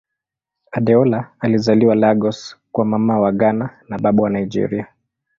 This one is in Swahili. Adeola alizaliwa Lagos kwa Mama wa Ghana na Baba wa Nigeria.